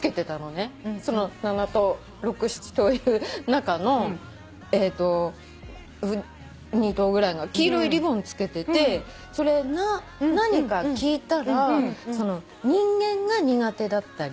７頭６７頭いる中の２頭ぐらいが黄色いリボンつけててそれ何か聞いたら人間が苦手だったり